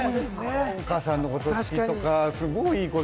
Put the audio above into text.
お母さんのことが好きとか、すごくいい子で。